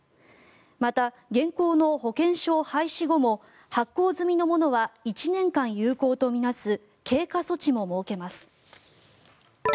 また、現行の保険証廃止後も発行済みのものは１年間有効と見なす経過措置も設けます。